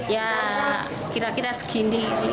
ya kira kira segini